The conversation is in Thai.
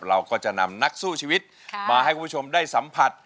เราก็จะนำนักสู้ชีวิตมาให้คุณผู้ชมได้สัมผัส